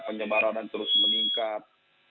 penyebaran terus meningkat